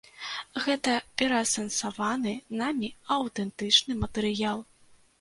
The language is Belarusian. Гэта пераасэнсаваны намі аўтэнтычны матэрыял.